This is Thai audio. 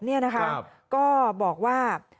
ยืนยันบอกว่า